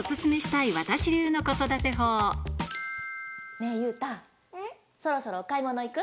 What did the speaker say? ねぇユウタそろそろお買い物行く？